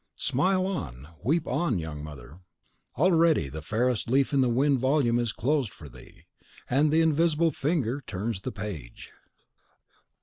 Smile on, weep on, young mother! Already the fairest leaf in the wild volume is closed for thee, and the invisible finger turns the page!